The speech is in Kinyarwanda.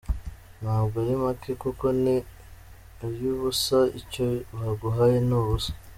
Ntabwo ari make kuko ni ay’ ubusa, icyo baguhaye ni ubusa.